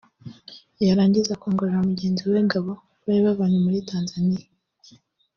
yarangiza akongorera mugenzi we Gabo bari bavanye muri Tanzania